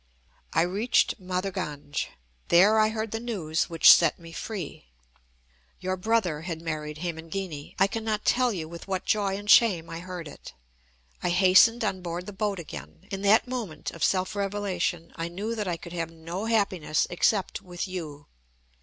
I reached Mathurganj. There I heard the news which set me free. Your brother had married Hemangini. I cannot tell you with what joy and shame I heard it. I hastened on board the boat again. In that moment of self revelation I knew that I could have no happiness except with you.